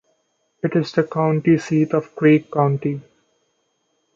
It is the county seat of Creek County.